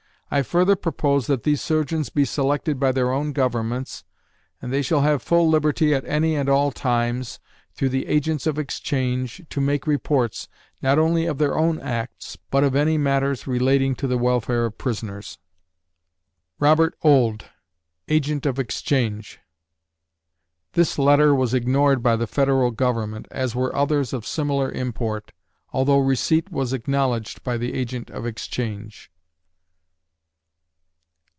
I further propose that these surgeons be selected by their own Governments, and they shall have full liberty at any and all times, through the agents of exchange, to make reports, not only of their own acts, but of any matters relating to the welfare of prisoners. ROBERT OULD (Agent of Exchange) This letter was ignored by the Federal Government, as were others of similar import, although receipt was acknowledged by the Agent of Exchange.